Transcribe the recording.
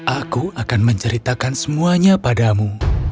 aku akan menceritakan semuanya padamu